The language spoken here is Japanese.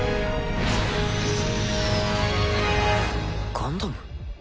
ガンダム？